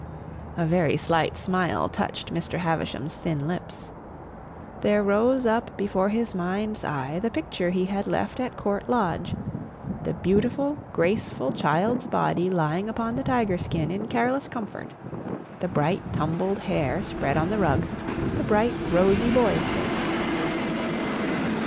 A very slight smile touched Mr. Havisham's thin lips. There rose up before his mind's eye the picture he had left at Court Lodge, the beautiful, graceful child's body lying upon the tiger skin in careless comfort the bright, tumbled hair spread on the rug the bright, rosy boy's face.